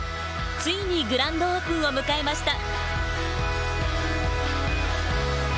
ついにグランドオープンを迎えました。